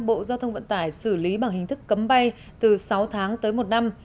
bộ giao thông vận tải xử lý bằng hình thức cấm bay từ sáu tháng tới một năm